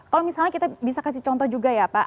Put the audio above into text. kalau misalnya kita bisa kasih contoh juga ya pak